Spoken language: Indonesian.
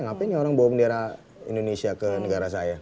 ngapain ya orang bawa bendera indonesia ke negara saya